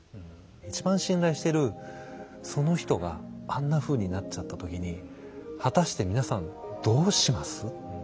一番信頼してるその人があんなふうになっちゃった時に果たして皆さんどうします？っていう。